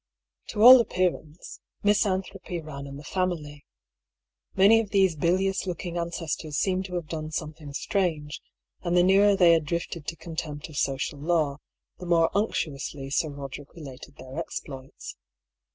To all appearance, misanthropy ran in the family. Most of these bilious looking ancestors seemed to have done something strange ; and the nearer they had drifted to contempt of social law, the more unctuously Sir Roderick related their exploits.